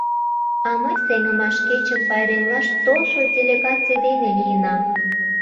А мый Сеҥымаш кечым пайремлаш толшо делегаций дене лийынам.